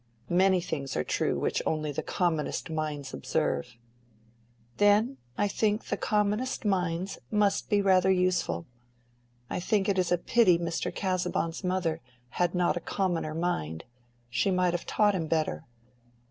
"Many things are true which only the commonest minds observe." "Then I think the commonest minds must be rather useful. I think it is a pity Mr. Casaubon's mother had not a commoner mind: she might have taught him better."